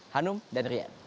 hanum dan rian